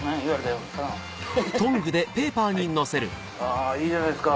あぁいいじゃないですか